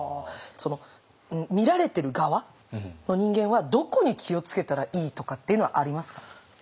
見られてる側の人間はどこに気を付けたらいいとかっていうのはありますか？